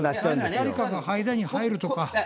誰かが間に入るとか。